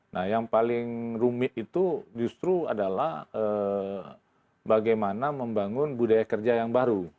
nah yang paling rumit itu justru adalah bagaimana membangun budaya kerja yang baru